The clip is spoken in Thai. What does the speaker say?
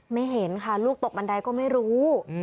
ไม่เห็นค่ะลูกตกบันไดก็ไม่รู้